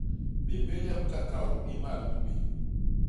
Bémbél yem kakaô i mmal tubi.